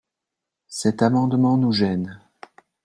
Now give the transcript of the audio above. Cet amendement nous gêne.